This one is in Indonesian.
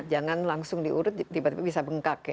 jangan langsung diurut tiba tiba bisa bengkak ya